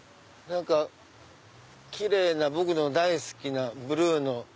キレイな僕の大好きなブルーの。